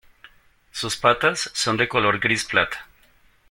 Sus patas son de color gris plata.